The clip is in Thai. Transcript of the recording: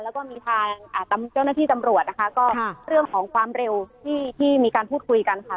แล้วก็มีทางเจ้าหน้าที่ตำรวจนะคะก็เรื่องของความเร็วที่มีการพูดคุยกันค่ะ